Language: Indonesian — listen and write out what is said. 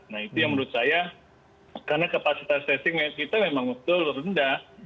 nah itu yang menurut saya karena kapasitas testing kita memang betul rendah